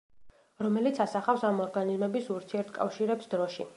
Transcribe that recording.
რომელიც ასახავს ამ ორგანიზმების ურთიერთკავშირებს დროში.